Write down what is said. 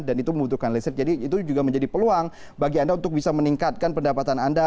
dan itu membutuhkan listrik jadi itu juga menjadi peluang bagi anda untuk bisa meningkatkan pendapatan anda